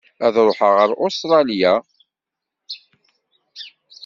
Ad ṛuḥeɣ ar Ustṛalya.